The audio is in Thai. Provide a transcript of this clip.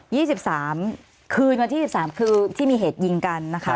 สิบสามคืนวันที่สิบสามคือที่มีเหตุยิงกันนะคะ